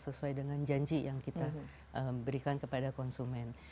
sesuai dengan janji yang kita berikan kepada konsumen